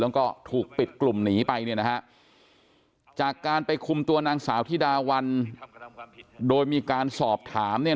แล้วก็ถูกปิดกลุ่มหนีไปเนี่ยนะฮะจากการไปคุมตัวนางสาวธิดาวันโดยมีการสอบถามเนี่ย